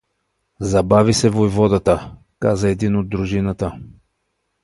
— Забави се войводата — каза един от дружината.